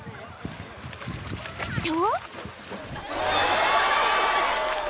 ［と］